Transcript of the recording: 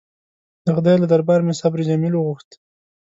د خدای له درباره مې صبر جمیل وغوښت.